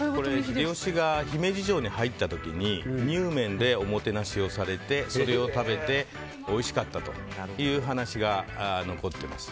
秀吉が姫路城に入った時ににゅう麺でおもてなしをされてそれを食べておいしかったという話が残っています。